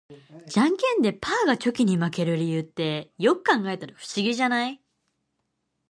ジャンケンでパーがチョキに負ける理由って、よく考えたら不思議じゃない？